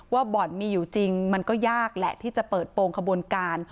บ่อนมีอยู่จริงมันก็ยากแหละที่จะเปิดโปรงขบวนการ